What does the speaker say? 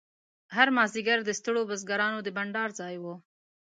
هر مازیګر د ستړو بزګرانو د بنډار ځای و.